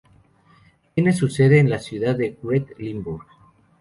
Tiene su sede en la ciudad de Weert, Limburg.